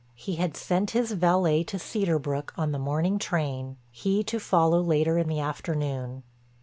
He had sent his valet to Cedar Brook on the morning train, he to follow later in the afternoon.